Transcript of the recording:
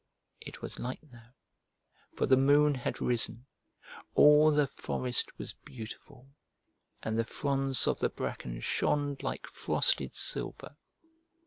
It was light now, for the moon had risen. All the forest was beautiful, and the fronds of the bracken shone like frosted silver.